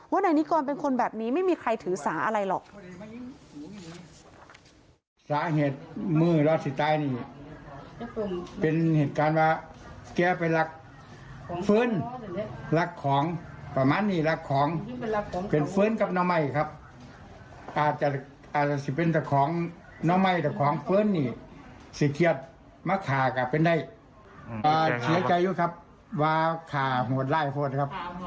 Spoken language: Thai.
นายนิกรเป็นคนแบบนี้ไม่มีใครถือสาอะไรหรอก